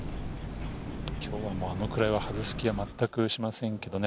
今日はあのくらいは外す気は、まったくしないですけどね。